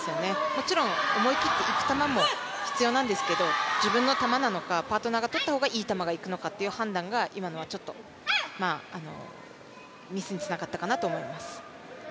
もちろん思い切っていく球も必要なんですけど、自分の球なのかパートナーがとった方がいい球がいくのかというのは今のはちょっと、ミスにつながったかなと思います。